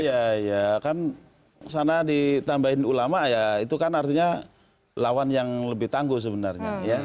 iya ya kan sana ditambahin ulama ya itu kan artinya lawan yang lebih tangguh sebenarnya